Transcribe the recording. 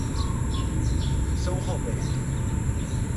São Roberto